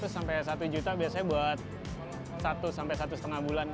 sampai satu juta biasanya buat satu sampai satu lima bulan